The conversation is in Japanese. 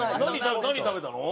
何食べたの？